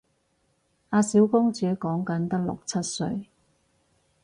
阿小公主講緊得六七歲